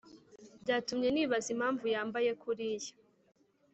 byatumye nibaza impamvu yambaye kuriya